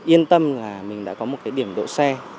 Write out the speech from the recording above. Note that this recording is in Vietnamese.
yên tâm là mình đã có một cái điểm độ xe